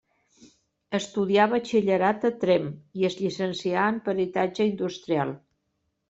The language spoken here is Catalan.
Estudià batxillerat a Tremp i es llicencià en peritatge industrial.